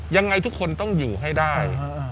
ยังไงทุกคนต้องอยู่ให้ได้